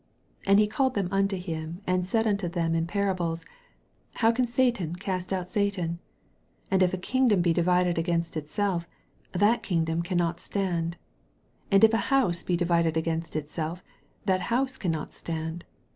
23 And he called them unto him, and said unto them in parables, How can Satan cast out Satan ? 24 And if a kingdom be divided against itself, that kingdom cannot stand. 25 And if a house be divided against itself, that house cannot stand.